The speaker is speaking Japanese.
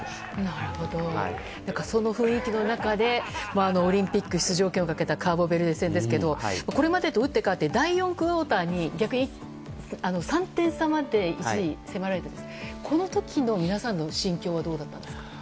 なるほど、その雰囲気の中でオリンピック出場権をかけたカーボベルデ戦ですがこれまでと打って変わって第４クオーターに逆に、３点差まで一時、迫られましたけどこの時の皆さんの心境はどうだったんですか。